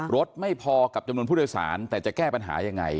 รถไม่พอกับจำนวนผู้โดยสารแต่จะแก้ปัญหายังไง